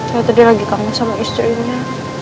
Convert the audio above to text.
kalo tadi lagi kamu sama istrinya